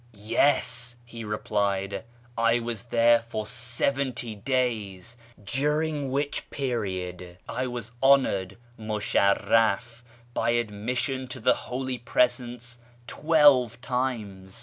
" Yes," he replied, " I was there for seventy days, dinin<; wliich period I was honoured (miusharraf) by admission to (he Holy Presence twelve times.